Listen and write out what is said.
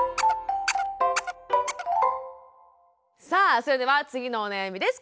さあそれでは次のお悩みです。